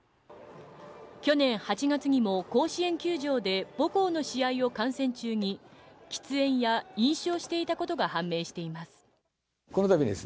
去年８月にも、甲子園球場で母校の試合を観戦中に、喫煙や飲酒をしていたことが判明しています。